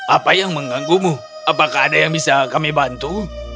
apa yang mengganggumu apakah ada yang bisa kami bantu